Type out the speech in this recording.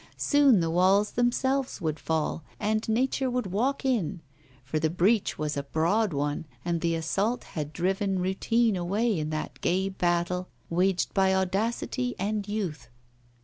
Soon the walls themselves would fall, and Nature would walk in; for the breach was a broad one, and the assault had driven routine away in that gay battle waged by audacity and youth.